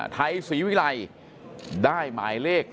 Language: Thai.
ไทยสวีรัยได้หมายเลข๔๒